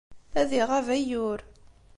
Ad iɣab ayyur.